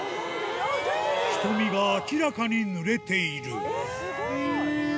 瞳が明らかに濡れている